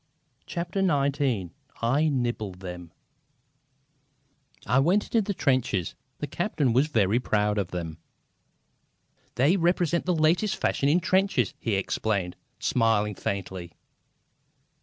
CHAPTER XIX "I NIBBLE THEM" I went into the trenches. The captain was very proud of them. "They represent the latest fashion in trenches!" he explained, smiling faintly.